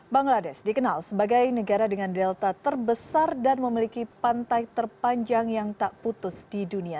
bangladesh dikenal sebagai negara dengan delta terbesar dan memiliki pantai terpanjang yang tak putus di dunia